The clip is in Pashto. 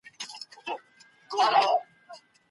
د کوچني په مرستې سره مي خپلي کوڅې جوړي کړې.